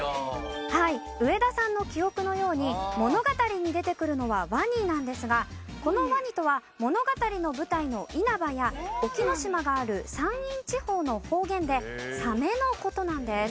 はい上田さんの記憶のように物語に出てくるのはワニなんですがこのワニとは物語の舞台の因幡や隠岐の島がある山陰地方の方言でサメの事なんです。